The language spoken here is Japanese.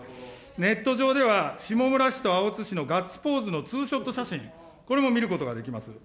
ネット上では、下村氏と青津氏のガッツポーズの２ショット写真、これも見ることができます。